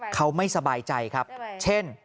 เขาไม่สบายใจครับเช่น